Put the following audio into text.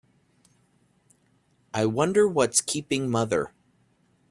I wonder what's keeping mother?